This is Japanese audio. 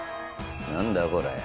何だこれ？